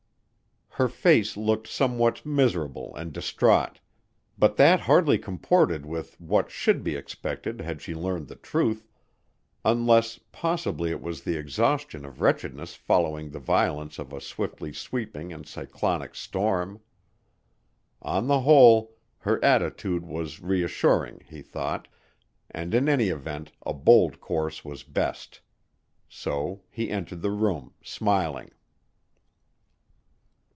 Her face looked somewhat miserable and distraught but that hardly comported with what should be expected had she learned the truth unless possibly it was the exhaustion of wretchedness following the violence of a swiftly sweeping and cyclonic storm. On the whole, her attitude was reassuring, he thought, and in any event a bold course was best. So he entered the room, smiling.